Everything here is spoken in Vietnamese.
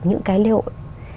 những cái lễ hội